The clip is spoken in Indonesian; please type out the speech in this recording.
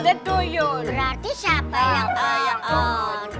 berarti siapa yang on